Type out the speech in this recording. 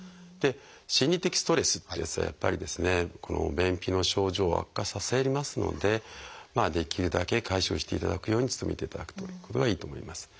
心理的ストレスというやつはやっぱりこの便秘の症状を悪化させますのでできるだけ解消していただくように努めていただくということがいいと思います。